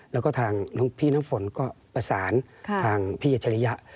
แล้วก็ทางหลวงพี่น้ำฝนก็ประสานทางพี่อัจฉริยะ